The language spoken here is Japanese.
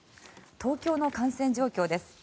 東京の感染状況です。